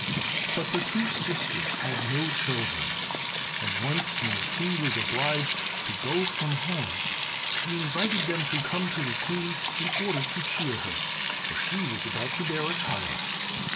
But the two sisters had no children, and once when the King was obliged to go from home he invited them to come to the Queen in order to cheer her, for she was about to bear a child.